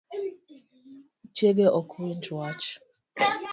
Chiege ok winj wach